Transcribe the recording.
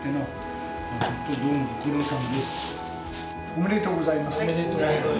ありがとうございます。